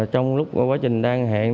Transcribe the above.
trong lúc quá trình đang hẹn